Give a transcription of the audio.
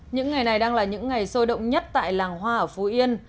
những ngày này đang là những ngày sôi động nhất tại làng hoa ở phú yên